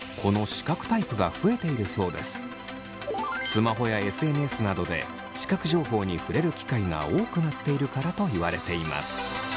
スマホやＳＮＳなどで視覚情報に触れる機会が多くなっているからといわれています。